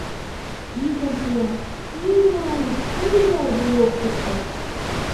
Йӱкым пуа — ни аушт, ни радио ок шокто.